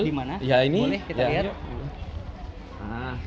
di mana boleh kita lihat